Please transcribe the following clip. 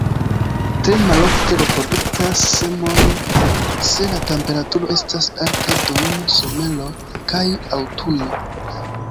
Tre malofte reproduktas semon se la temperaturo estas alta dum somero kaj aŭtuno.